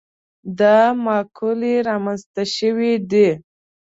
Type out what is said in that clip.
دا مقولې رامنځته شوي دي.